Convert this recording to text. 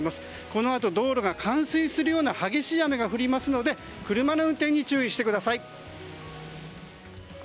このあと道路が冠水するような激しい雨が降りますので車の運転に注意してください。